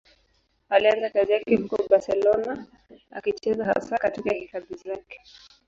Alianza kazi yake huko Barcelona, akicheza hasa katika hifadhi zake.